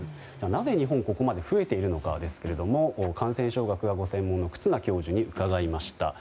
なぜ日本、ここまで増えているのかですけれども感染症学がご専門の忽那教授に伺いました。